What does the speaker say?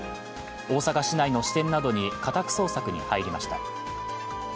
大阪市内の支店などに家宅捜索に入りました。